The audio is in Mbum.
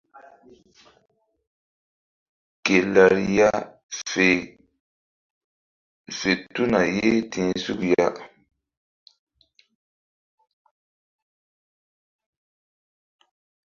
Ke lariya le fe tuna ye ti̧h suk ya.